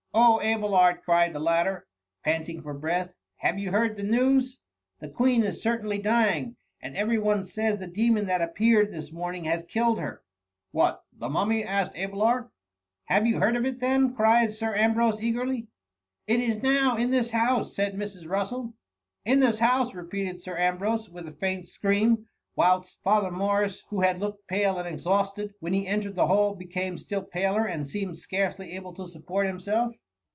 " Oh, Abelard !" cried the latter, panting for breath ;" have you heard the news ? The Queen is certainly dying, and every one says 802 THB MUMMY. the demon that appeared this moniing has kiUed her.'' ^ What, the Mummy ?^ asked Abelard. •* Have you heard of it then P'* cried Sir Ambrose eagerly. *' It is now in this house,^ said Mrs. Bussel. " In this house !^ repeated Sir Ambrose with a faint scream ; whilst Father Morris, who had looked pale and exhausted when he entered the hall, became still paler, and seemed scarcely able to support himself.